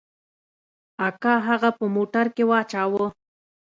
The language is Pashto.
اکا هغه په موټر کښې واچاوه.